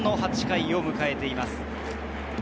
鬼門の８回を迎えています。